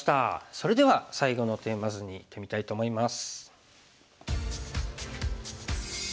それでは最後のテーマ図にいってみたいと思います。